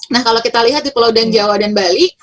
nah kalau kita lihat di pulau danjawa dan bali